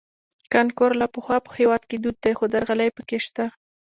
کانکور له پخوا په هېواد کې دود دی خو درغلۍ پکې شته